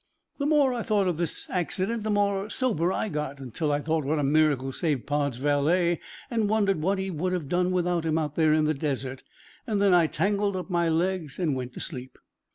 The more I thought of this accident the more sober I got, until I thought what a miracle saved Pod's valet, and wondered what he would have done without him out there in the desert. Then I tangled up my legs and went to sleep.